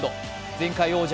前回王者